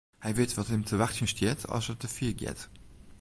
Hy wit wat him te wachtsjen stiet as er te fier giet.